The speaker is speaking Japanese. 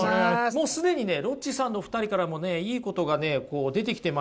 もう既にねロッチさんの２人からもねいいことがねこう出てきてましたよ。